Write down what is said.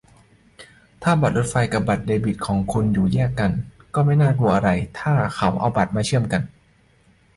"ถ้าบัตรรถไฟฟ้ากับบัตรเดบิตของคุณอยู่แยกกันก็ไม่น่ากลัวอะไร ถ้าเขาเอาข้อมูลมาเชื่อมกัน"